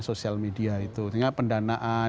social media itu pendanaan